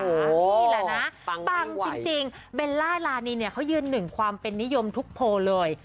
นี่แหละนะปังจริงเบลล่ารานีเนี่ยเขายืนหนึ่งความเป็นนิยมทุกโพลเลย